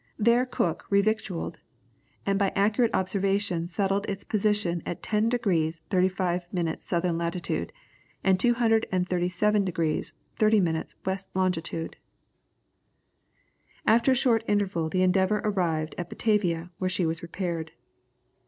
There Cook revictualled, and by accurate observations settled its position at 10 degrees 35 minutes southern latitude, and 237 degrees 30 minutes west longitude. After a short interval the Endeavour arrived at Batavia, where she was repaired.